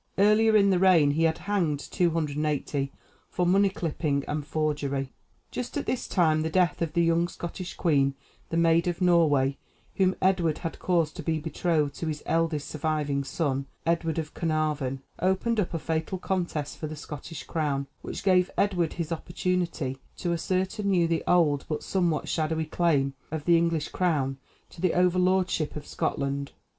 Earlier in the reign he had hanged 280 for money clipping and forgery. Just at this time the death of the young Scottish queen, the Maid of Norway, whom Edward had caused to be betrothed to his eldest surviving son, Edward of Caernarvon, opened up a fatal contest for the Scottish crown, which gave Edward his opportunity to assert anew the old but somewhat shadowy claim of the English crown to the over lordship of Scotland.